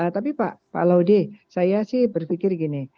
tapi pak laudy saya sih berpikir gini